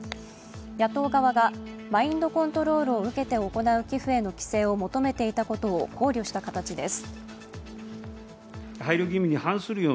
野党側がマインドコントロールを受けて行う寄付への規制を求めていたことを考慮した形です。